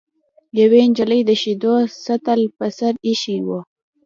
یوې نجلۍ د شیدو سطل په سر ایښی و.